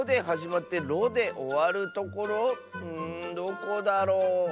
んどこだろう？